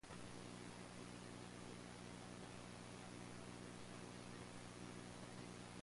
The episode was the fifth episode for the show's first season.